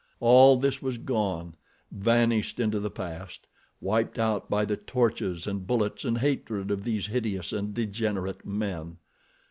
All this was gone, vanished into the past, wiped out by the torches and bullets and hatred of these hideous and degenerate men.